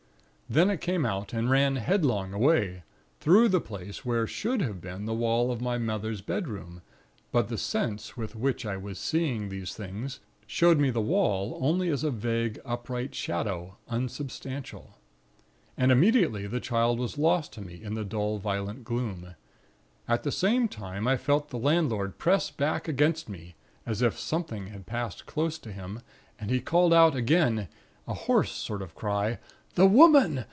Then it came out, and ran headlong away, through the place where should have been the wall of my mother's bedroom; but the Sense with which I was seeing these things, showed me the wall only as a vague, upright shadow, unsubstantial. And immediately the child was lost to me, in the dull violet gloom. At the same time, I felt the landlord press back against me, as if something had passed close to him; and he called out again, a hoarse sort of cry: 'The Woman!